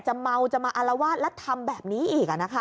จะเมาจะมาอารวาสแล้วทำแบบนี้อีกอ่ะนะคะ